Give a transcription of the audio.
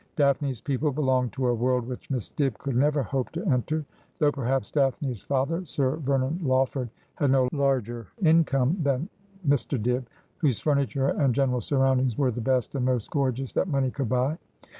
Daphnes people belonged to a world which Miss Dibb could never hope to enter ; though perhaps Daphne's father. Sir Vernon Lawford, had no larger income than Mr. Dibb, whose furniture and gene ral surroundings were the best and most gorgeous that money could buy.